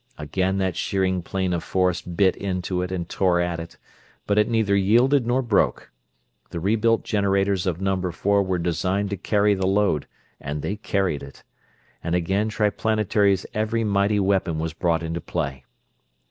Again that shearing plane of force bit into it and tore at it, but it neither yielded nor broke. The rebuilt generators of Number Four were designed to carry the load, and they carried it. And again Triplanetary's every mighty weapon was brought into play.